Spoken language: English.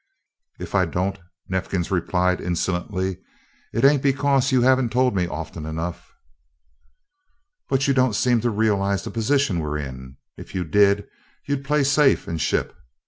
"If I don't," Neifkins replied insolently, "it ain't because you haven't told me often enough." "But you don't seem to realize the position we're in. If you did, you'd play safe and ship.